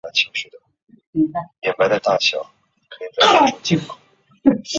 同时成为明治神宫的主祭司。